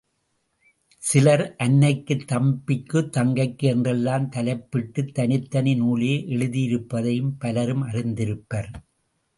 சிலர், அன்னைக்கு தம்பிக்கு தங்கைக்கு என்றெல்லாம் தலைப்பிட்டுத் தனித்தனி நூலே எழுதியிருப்பதையும் பலரும் அறிந்திருப்பர்.